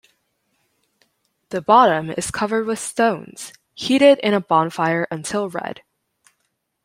The bottom is covered with stones, heated in a bonfire until red.